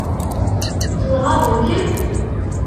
Nɣaḍ-ikem?